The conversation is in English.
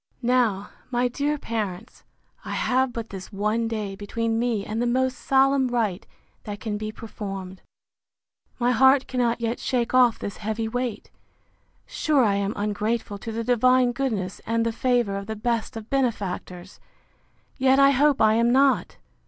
Now, my dear parents, I have but this one day between me and the most solemn rite that can be performed. My heart cannot yet shake off this heavy weight. Sure I am ungrateful to the divine goodness, and the favour of the best of benefactors!—Yet I hope I am not!